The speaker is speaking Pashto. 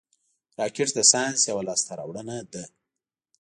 راکټ د ساینس یوه لاسته راوړنه ده